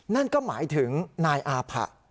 นั่นก็หมายถึงนายอาผะ